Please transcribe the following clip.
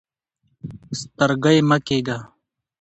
سترګۍ مه کیږئ.